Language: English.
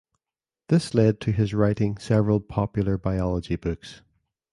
This led to his writing several popular biology books.